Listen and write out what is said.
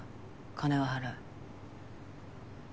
金は払う。